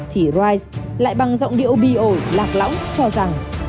thì rise lại bằng giọng điệu bi ổi lạc lõng cho rằng